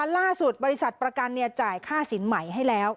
บริษัทประกันจ่ายค่าสินใหม่ให้แล้ว